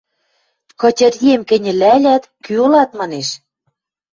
Кытьыриэм кӹньӹлӓлят: «Кӱ ылат?» – манеш.